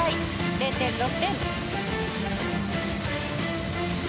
０．６点。